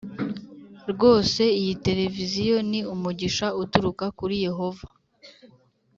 Rwose iyi televiziyo ni umugisha uturuka kuri Yehova